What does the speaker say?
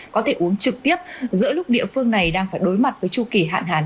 có thể uống trực tiếp giữa lúc địa phương này đang phải đối mặt với chu kỳ hạn hàn